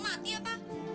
gak ada apa apa